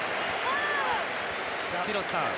廣瀬さん